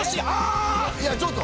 いやちょっと！